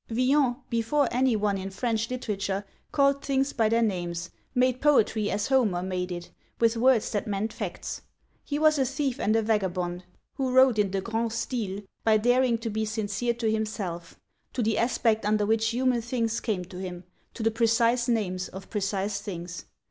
Villon, before any one in French literature, called things by their names, made poetry as Homer made it, with words that meant facts. He was a thief and a vagabond who wrote in the 'grand style' by daring to be sincere to himself, to the aspect under which human things came to him, to the precise names of precise things.